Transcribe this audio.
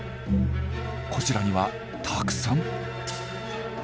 こちらにはたくさん。